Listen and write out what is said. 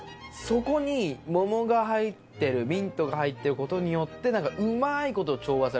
そこに桃が入ってるミントが入ってることによって何かうまいこと調和されて。